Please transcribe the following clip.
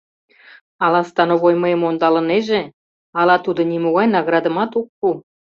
Ала становой мыйым ондалынеже, ала тудо нимогай наградымат ок пу?